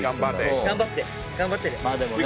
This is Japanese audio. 頑張って頑張ってね。